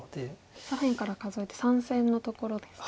左辺から数えて３線のところですね。